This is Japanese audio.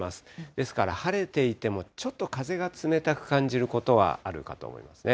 ですから、晴れていてもちょっと風が冷たく感じることはあるかと思いますね。